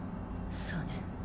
そうね。